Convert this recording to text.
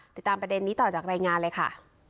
ติดตามประเด็นนี้ต่อจากรายงานเลยค่ะ